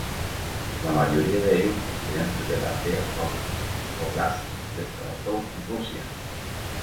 La mayoría de ellos procedentes de la aldea Huck, óblast de Sarátov en Rusia.